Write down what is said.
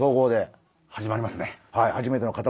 始まりますね。